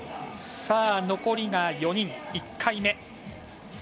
残りが４人、１回目。